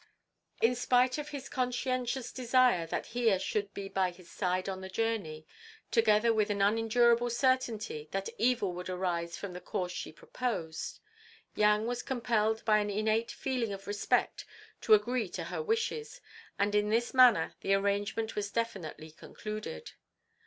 In spite of his conscientious desire that Hiya should be by his side on the journey, together with an unendurable certainty that evil would arise from the course she proposed, Yang was compelled by an innate feeling of respect to agree to her wishes, and in this manner the arrangement was definitely concluded.